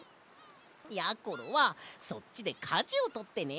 やころはそっちでかじをとってね。